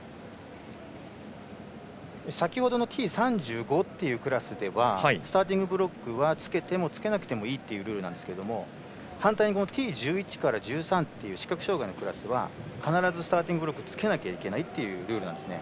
先ほどのＴ３５というクラスではスターティングブロックはつけても、つけなくてもいいというルールなんですけども反対にＴ１１から１３という視覚障がいのクラスは必ずスターティングブロックをつけなきゃいけないというルールなんですね。